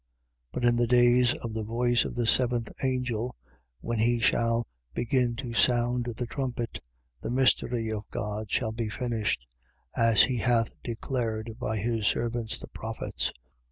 10:7. But in the days of the voice of the seventh angel, when he shall begin to sound the trumpet, the mystery of God shall be finished, as he hath declared by his servants the prophets.